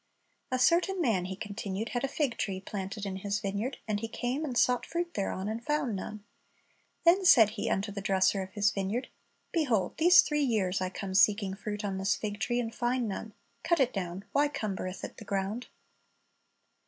"A certain man," He continued, "had a fig tree planted in his vineyard; and he came and sought fruit thereon, and found none. Then said he unto the dresser of his vineyard, Behold, these three years I come seeking fruit on this fig tree, and find none: cut it down; why cumbereth it the ground?"